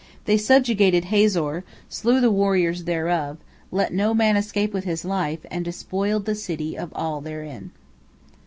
They subjugated Hazor, slew the warriors thereof, let no man escape with his life, and despoiled the city of all therein.